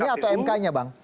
ini kan membingungkan pkpu